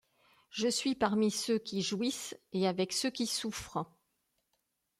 Je suis parmi ceux qui jouissent et avec ceux qui souffrent.